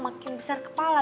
makin besar kepala